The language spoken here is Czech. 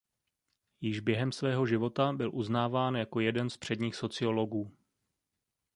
Již během svého života byl uznáván jako jeden z předních sociologů.